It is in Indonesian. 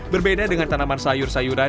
berbeda dengan tanaman sayur sayuran